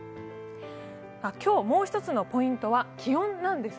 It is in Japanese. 今日、もう１つのポイントは気温なんです。